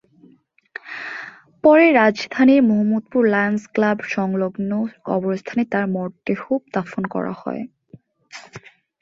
পরে রাজধানীর মোহাম্মদপুর লায়নস ক্লাব-সংলগ্ন কবরস্থানে তাঁর মরদেহ দাফন করা হয়।